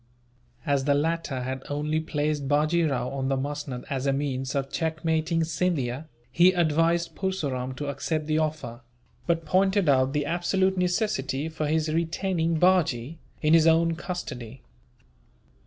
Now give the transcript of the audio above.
As the latter had only placed Bajee Rao on the musnud as a means of checkmating Scindia, he advised Purseram to accept the offer; but pointed out the absolute necessity for his retaining Bajee in his own custody.